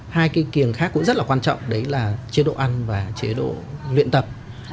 hai cái kiềng khác cũng rất là quan trọng đấy là chế độ ăn và chế độ luyện tập